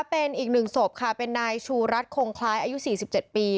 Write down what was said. เป็นอีกหนึ่งศพค่ะเป็นนายชูรัฐคงคล้ายอายุ๔๗ปี